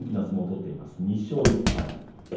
２勝１敗。